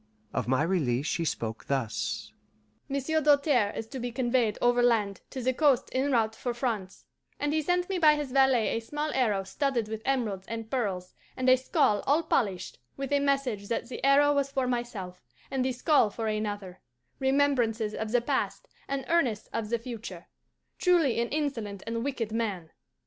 Of my release she spoke thus: "Monsieur Doltaire is to be conveyed overland to the coast en route for France, and he sent me by his valet a small arrow studded with emeralds and pearls, and a skull all polished, with a message that the arrow was for myself, and the skull for another remembrances of the past, and earnests of the future truly an insolent and wicked man.